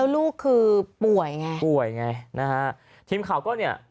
ควรพูดว่าก่อนไหมแล้วลูกคือป่วยไง